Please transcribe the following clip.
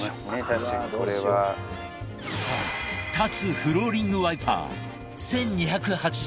さあ立つフローリングワイパー１２８０円